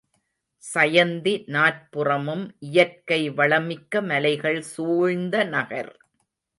சயந்தி நாற்புறமும் இயற்கை வளமிக்க மலைகள் சூழ்ந்த நகர்.